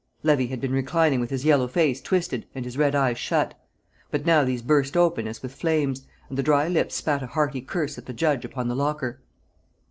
Levy had been reclining with his yellow face twisted and his red eyes shut; but now these burst open as with flames, and the dry lips spat a hearty curse at the judge upon the locker.